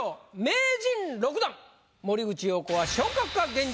名人６段森口瑤子は昇格か⁉現状